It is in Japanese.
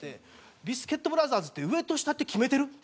「ビスケットブラザーズって上と下って決めてる？」って言われて。